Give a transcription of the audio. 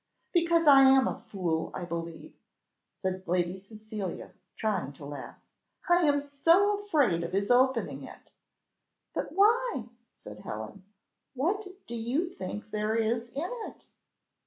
"Because I am a fool, I believe," said Lady Cecilia, trying to laugh. "I am so afraid of his opening it." "But why?" said Helen, "what do you think there is in it?"